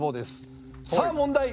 さあ問題。